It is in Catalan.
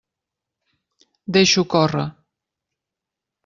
Deixa-ho córrer.